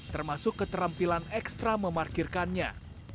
termasuk keterampilan ekstra memarkirkannya